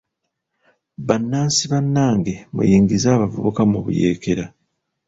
Bannansi bannange muyingize abavubuka mu buyeekera.